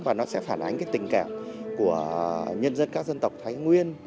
và nó sẽ phản ánh cái tình cảm của nhân dân các dân tộc thái nguyên